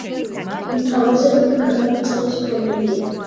უმთავრესად მტკნარი წყლის ფორმებია.